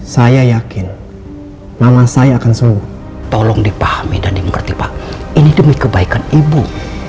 saya yakin nama saya akan sembuh tolong dipahami dan dimengerti pak ini demi kebaikan ibu